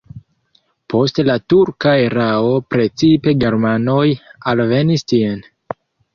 Post la turka erao precipe germanoj alvenis tien.